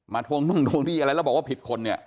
มาท่วงเมืองท่วงที่ยี่แล้วบอกว่าผิดคน